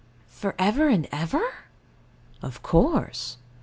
For ever and ever? Of course.